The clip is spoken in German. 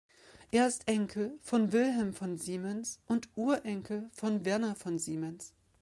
Er ist Enkel von Wilhelm von Siemens und Urenkel von Werner von Siemens.